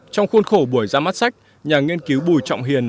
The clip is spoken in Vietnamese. trong khuôn khổ buổi ra mắt sách nhà nghiên cứu bùi trọng hiền